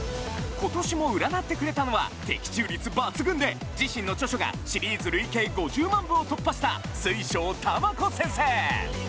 今年も占ってくれたのは的中率抜群で自身の著書がシリーズ累計５０万部を突破した水晶玉子先生！